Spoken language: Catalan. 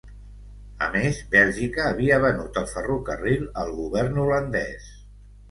A més, Bèlgica havia venut el ferrocarril al govern holandès.